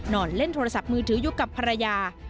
นอนเล่นโทรศัพท์มือถืออยู่กับภรรยา